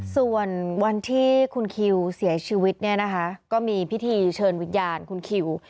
ส่วนวันที่คุณคิวเสียชีวิตเนี่ยนะคะก็มีพิธีเชิญวิญญาณคุณคิว